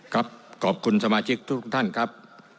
ขอบคุณสมาชิกทุกท่านครับ